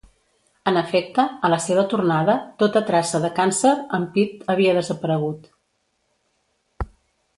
En efecte, a la seva tornada, tota traça de càncer en Pete ha desaparegut.